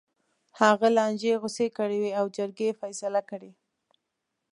هغه لانجې غوڅې کړې وې او جرګې یې فیصله کړې.